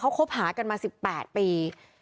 เขาคบหากันมา๑๘ปี